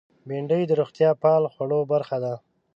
بېنډۍ د روغتیا پال خوړو برخه ده